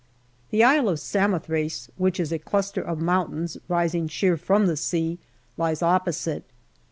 The Isle of Samothrace, which is a cluster of mountains rising sheer from the sea, lies opposite.